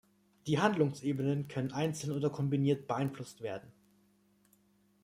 Die Handlungsebenen können einzeln oder kombiniert beeinflusst werden.